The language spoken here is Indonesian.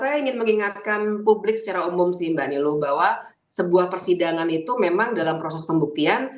dan saya ingin memberi pengetahuan publik secara umum mbak nilo bahwa sebuah persidangan itu memang dalam proses pembuktian